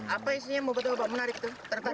apa isinya mopetobamunarik itu